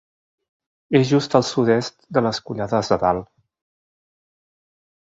És just al sud-est de les Collades de Dalt.